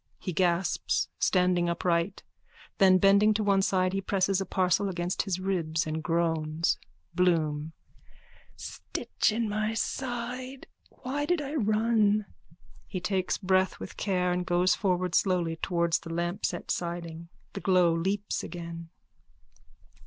He gasps, standing upright. Then bending to one side he presses a parcel against his ribs and groans.)_ BLOOM: Stitch in my side. Why did I run? _(He takes breath with care and goes forward slowly towards the lampset siding. The glow leaps again.)